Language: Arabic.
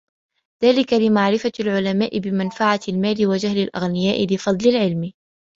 ذَلِكَ لِمَعْرِفَةِ الْعُلَمَاءِ بِمَنْفَعَةِ الْمَالِ وَجَهْلِ الْأَغْنِيَاءِ لِفَضْلِ الْعِلْمِ